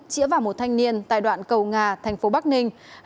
chỉa vào một thanh niên tại đoạn cầu nga tp bắc ninh